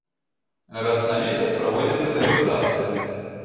Раз на месяц праводзіцца дэгустацыя.